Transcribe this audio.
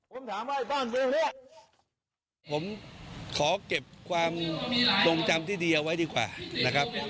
ผมขอเก็บความตรงจำที่ดีเอาไว้ดีกว่านะครับ